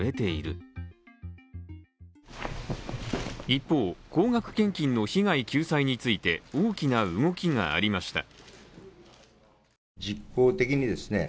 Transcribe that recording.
一方、高額献金の被害救済について大きな動きがありました。